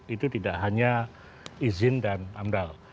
itu tidak hanya izin dan amdal